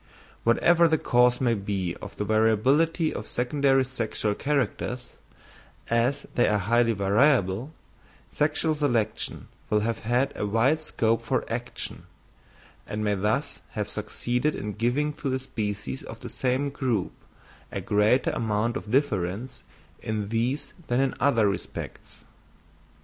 Whatever the cause may be of the variability of secondary sexual characters, as they are highly variable, sexual selection will have had a wide scope for action, and may thus have succeeded in giving to the species of the same group a greater amount of difference in these than in other respects.